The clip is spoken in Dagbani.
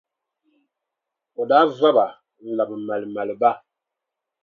O daa va ba n-labi maalimaali ba,